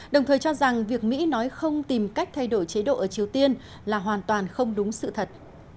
đồng thời cho rằng việc mỹ nói không tìm cách thay đổi chế độ ở triều tiên là hoàn toàn không đúng sự thật